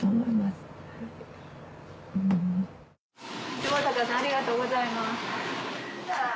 下坂さんありがとうございます。